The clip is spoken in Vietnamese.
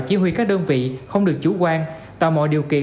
chỉ huy các đơn vị không được chủ quan tạo mọi điều kiện